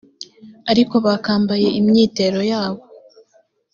uko bakambaye imyitero yabo